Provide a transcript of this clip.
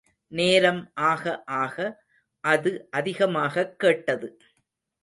நேரம் ஆக ஆக அது அதிகமாகக் கேட்டது.